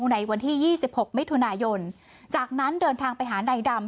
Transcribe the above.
ในวันที่๒๖มิถุนายนจากนั้นเดินทางไปหานายดำ